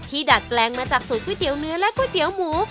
ดัดแปลงมาจากสูตรก๋วยเตี๋ยวเนื้อและก๋วยเตี๋ยวหมู